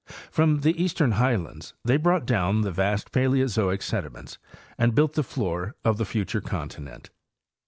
From the eastern highlands they brought down the vast Paleozoic sediments and built the floor of the future continent.